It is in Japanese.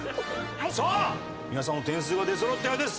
さあ皆さんの点数が出そろったようです。